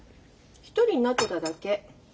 一人になってただけ。